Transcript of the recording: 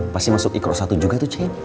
pasti masuk ikro satu juga tuh cek